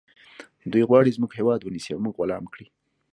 دوی غواړي زموږ هیواد ونیسي او موږ غلام کړي